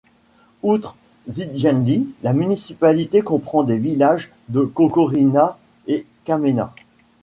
Outre Zijemlje, la municipalité comprend les villages de Kokorina et Kamena.